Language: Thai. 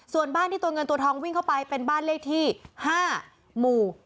ส่วนบ้านที่ตัวเงินตัวทองวิ่งเข้าไปเป็นบ้านเลขที่๕หมู่